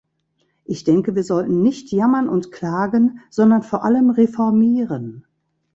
Ich denke, wir sollten nicht jammern und klagen, sondern vor allem reformieren.